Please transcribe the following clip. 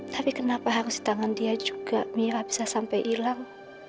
tapi kenapa harus di tangan dia juga mira bisa sampai hilang